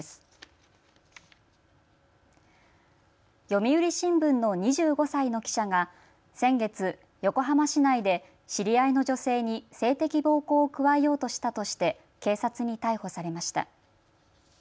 読売新聞の２５歳の記者が先月、横浜市内で知り合いの女性に性的暴行を加えようとしたとして警察に逮捕されました。